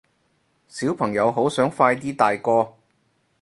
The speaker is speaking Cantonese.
小朋友好想快啲大個